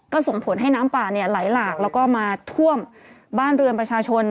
ก็ส่งผลให้น้ำป่าเนี่ยไหลหลากแล้วก็มาท่วมบ้านเรือนประชาชน